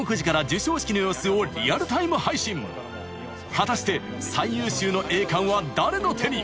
果たして最優秀の栄冠は誰の手に？